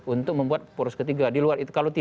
untuk membuat poros ketiga